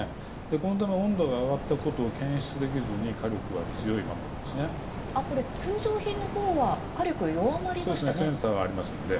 このため温度が上がったことを検出できずに通常品のほうは火力センサーがありますのでね。